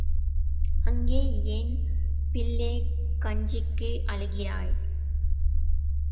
அங்கே ஏன் பிள்ளே கஞ்சிக்கு அழுகிறாய்?